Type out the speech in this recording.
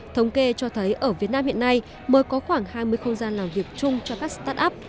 thống kê cho thấy ở việt nam hiện nay mới có khoảng hai mươi không gian làm việc chung cho các start up